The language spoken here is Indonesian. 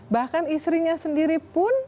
bahkan istrinya sendiri pun